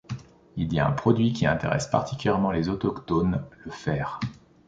Il y a un produit qui intéresse particulièrement les Autochtones, le fer.